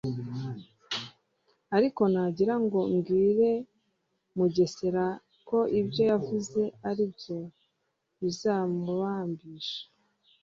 ariko nagira ngo mbwire Mugesera ko ibyo yavuze aribyo bizamubambisha